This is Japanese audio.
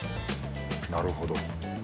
なるほど。